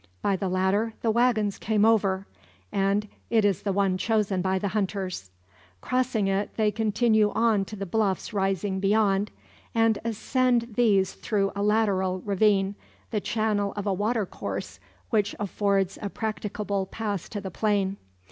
By the latter the waggons came over, and it is the one chosen by the hunters. Crossing it, they continue on to the bluffs rising beyond, and ascend these through a lateral ravine, the channel of a watercourse which affords a practicable pass to the plain.